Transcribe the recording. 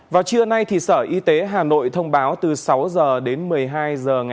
vào trưa nay thì sở y tế hà nội thông báo từ sáu h đến một mươi hai h ngày hai mươi sáu tháng tám